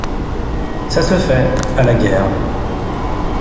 Ça se fait, à la guerre.